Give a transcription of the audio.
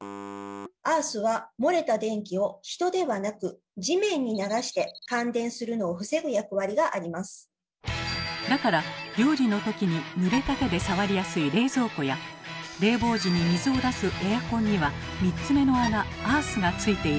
アースは漏れた電気を人ではなくだから料理の時にぬれた手で触りやすい冷蔵庫や冷房時に水を出すエアコンには３つ目の穴アースが付いているのです。